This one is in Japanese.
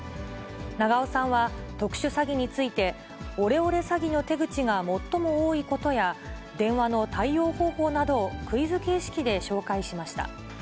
永尾さんは、特殊詐欺について、オレオレ詐欺の手口が最も多いことや、電話の対応方法などをクイズ形式で紹介しました。